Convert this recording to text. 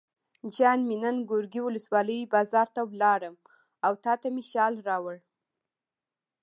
جان مې نن ګورکي ولسوالۍ بازار ته لاړم او تاته مې شال راوړل.